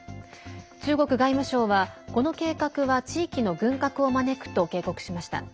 中国外務省は、この計画は地域の軍拡を招くと警告しました。